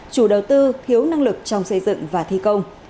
chủ đầu tư thiếu năng lực trong xây dựng và thi công